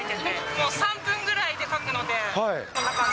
もう３分ぐらいで描くので、こんな感じ。